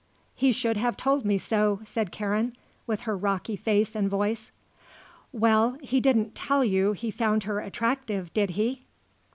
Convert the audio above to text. "He should have told me so," said Karen, with her rocky face and voice. "Well, he didn't tell you he found her attractive, did he?"